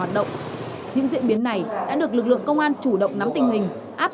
áp dụng các biện pháp nghiệp vụ không để tội phạm lợi dụng hoạt động